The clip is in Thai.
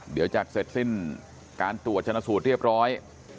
เดี๋ยวจะเสร็จสิ้นการตรวจชนะสูตรเรียบร้อย